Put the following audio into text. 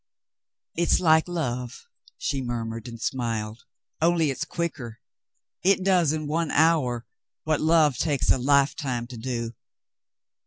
"It's like love," she murmured, and smiled. "Only it's quicker. It does in one hour what love takes a lifetime to do.